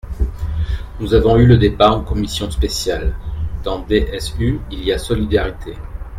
Nous avons eu le débat en commission spéciale ; dans DSU il y a « solidarité ».